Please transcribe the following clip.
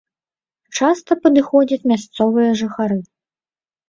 Часта падыходзяць мясцовыя жыхары.